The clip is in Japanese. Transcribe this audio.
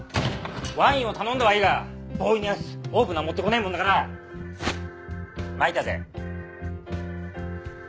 ワインを頼んだはいいがボーイのやつオープナー持ってこねえもんだから参ったぜ。